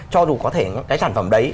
cho dù có thể cái sản phẩm đấy